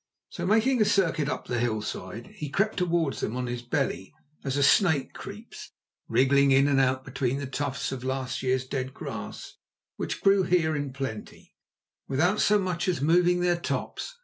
So making a circuit up the hillside, he crept towards them on his belly as a snake creeps, wriggling in and out between the tufts of last year's dead grass, which grew here in plenty, without so much as moving their tops.